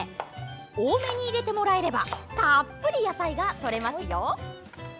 多めに入れてもらえればたっぷり野菜がとれますよ！